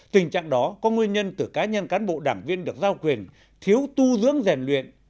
tình trạng đó có nguyên nhân từ cá nhân cán bộ đảng viên được giao quyền thiếu tu dưỡng rèn luyện